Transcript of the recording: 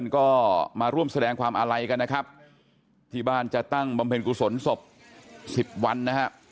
ก็มาร่วมแสดงความอาลัยกันนะครับที่บ้านจะตั้งบำเพ็ญกุศลศพ๑๐วันนะฮะ